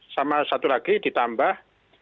sama satu lagi ditambah